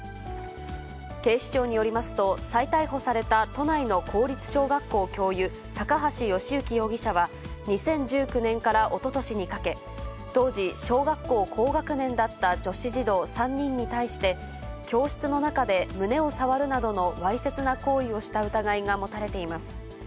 警視庁によりますと、再逮捕された都内の公立小学校教諭、高橋慶行容疑者は、２０１９年からおととしにかけ、当時、小学校高学年だった女子児童３人に対して、教室の中で胸を触るなどのわいせつな行為をした疑いが持たれています。